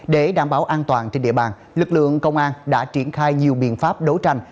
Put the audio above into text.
để đảm bảo an toàn trên địa bàn lực lượng công an đã triển khai nhiều biện pháp đấu tranh